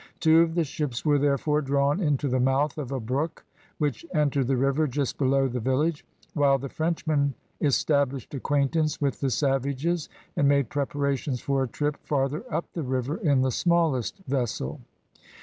Two of the ships were therefore drawn into the mouth of a brook which entered the river just below the vil lage, while the Frenchmen established acquaintance with the savages and made preparations for a trip farther up the river in the smallest vessel.